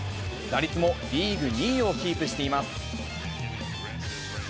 打率もリーグ２位をキープしています。